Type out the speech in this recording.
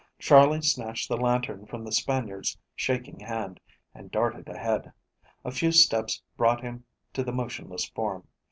Charley snatched the lantern from the Spaniard's shaking hand and darted ahead. A few steps brought him to the motionless form.